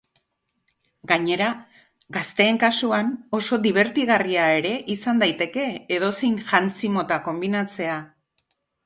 Gainera, gazteen kasuan oso dibertigarria ere izan daiteke edozein jantzi mota konbinatzea.